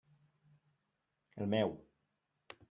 El meu.